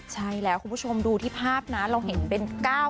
ใช่แล้วคุณผู้ชมดูที่ภาพนะเราเห็นเป็น๙๙